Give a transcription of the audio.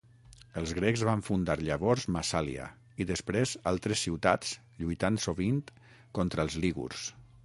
Els grecs van fundar llavors Massàlia i després altres ciutats lluitant sovint contra els lígurs.